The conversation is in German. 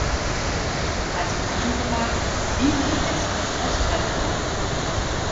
Als Bodenbelag diente ein Estrich aus Kalkmörtel.